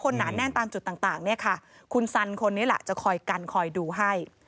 หนาแน่นตามจุดต่างต่างเนี่ยค่ะคุณสันคนนี้ล่ะจะคอยกันคอยดูให้